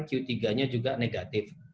q tiga nya juga negatif